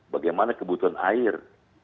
bagaimana kebutuhan air